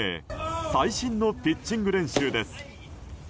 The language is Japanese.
最新のピッチング練習です。